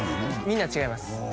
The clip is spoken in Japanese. みんな違います